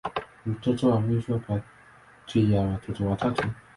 Ni mtoto wa mwisho kati ya watoto watatu.